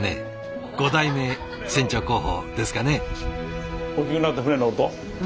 ５代目船長候補ですかね？